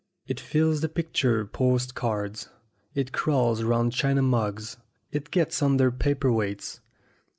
It fills the picture post cards, it crawls round china mugs, it gets under paper weights.